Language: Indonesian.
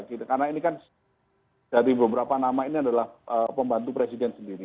karena ini kan dari beberapa nama ini adalah pembantu presiden sendiri